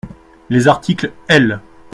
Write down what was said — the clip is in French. Les articles L.